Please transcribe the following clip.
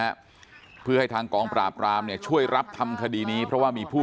ฮะเพื่อให้ทางกองปราบรามเนี่ยช่วยรับทำคดีนี้เพราะว่ามีผู้